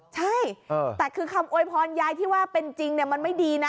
ใช่แต่คือคำโวยพรยายที่ว่าเป็นจริงมันไม่ดีนะ